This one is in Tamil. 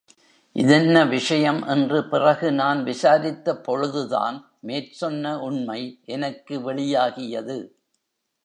இதென்ன விஷயம் என்று பிறகு நான் விசாரித்த பொழுதுதான் மேற்சொன்ன உண்மை எனக்கு வெளியாகியது.